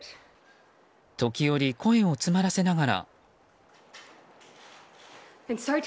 時折、声を詰まらせながら。